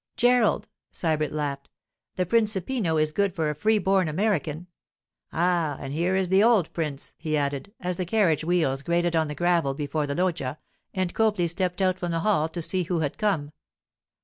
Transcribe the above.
'Gerald!' Sybert laughed. 'The 'principino' is good for a free born American. Ah—and here is the old prince,' he added, as the carriage wheels grated on the gravel before the loggia and Copley stepped out from the hall to see who had come.